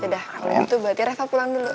yaudah kalau gitu berarti reva pulang dulu